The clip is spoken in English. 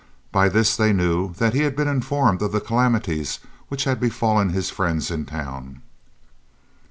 By this they knew that he had been informed of the calamities which had befallen his friends in town.